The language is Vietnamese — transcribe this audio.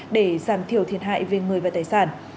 để giảm thiểu thiệt hại về người và tài sản